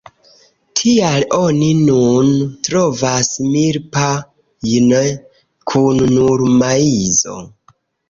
Tial oni nun trovas "milpa"-jn kun nur maizo.